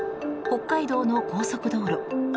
北海道の高速道路。